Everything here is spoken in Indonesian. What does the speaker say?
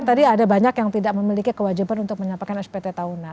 jadi ada banyak yang tidak memiliki kewajiban untuk menyampaikan spt tahunan